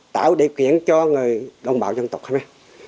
tạo điều kiện cho người đồng bào dân tộc khmer